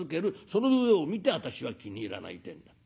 その上を見て私は気に入らないってえんだ。